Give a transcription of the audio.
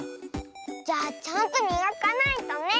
じゃあちゃんとみがかないとね。